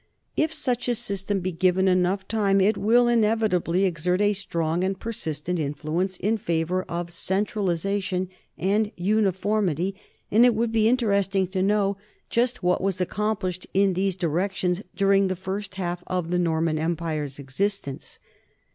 If such a system be given enough time, it will inevit ably exert a strong and persistent influence in favor of centralization and uniformity, and it would be inter esting to know just what was accomplished in these directions during the half century of the Norman em pire's existence.